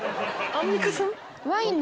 アンミカさん？